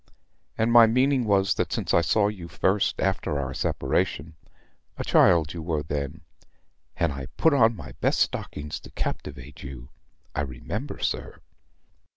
And my meaning was, that since I saw you first after our separation a child you were then ..." "And I put on my best stockings to captivate you, I remember, sir